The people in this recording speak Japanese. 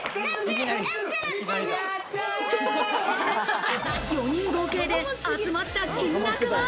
リキュ４人合計で集まった金額は。